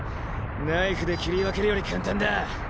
ナイフで切り分けるより簡単だ。